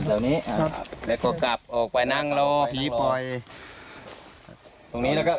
เหล่านี้อ่าแล้วก็กลับออกไปนั่งรอผีปล่อยตรงนี้แล้วก็